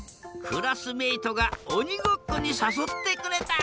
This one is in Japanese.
クラスメートがおにごっこにさそってくれた。